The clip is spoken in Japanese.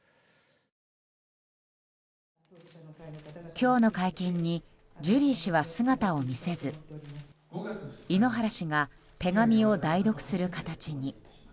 今日の会見にジュリー氏は姿を見せず井ノ原氏が手紙を代読する形に。